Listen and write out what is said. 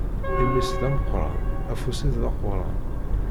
Imi-s d ameqqran, afus-is d aquran.